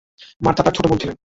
Martha তার ছোট বোন ছিলেন।